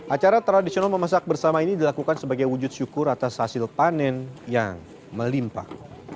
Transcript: acara tradisional memasak bersama ini dilakukan sebagai wujud syukur atas hasil panen yang melimpah